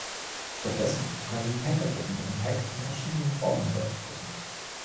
Stattdessen können die Hackergruppen ihren Hack in verschiedenen Formen veröffentlichen.